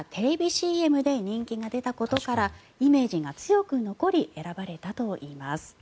ＣＭで人気が出たことからイメージが強く残り選ばれたといいます。